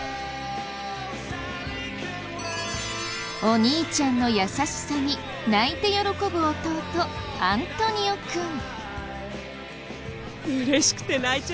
お兄ちゃんの優しさに泣いて喜ぶ弟アントニオくん。